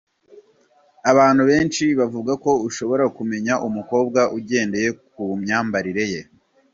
Abantu benshi bavuga ko ushobora kumenya umukobwa ugendeye k’umyambarire ye.